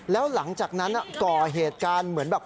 แล้วหลังจากนั้นก่อเหตุการณ์เหมือนแบบ